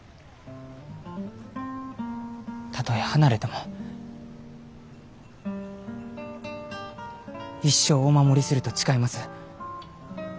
たとえ離れても一生お守りすると誓います。